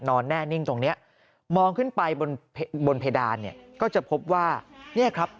แน่นิ่งตรงเนี้ยมองขึ้นไปบนบนเพดานเนี่ยก็จะพบว่าเนี่ยครับ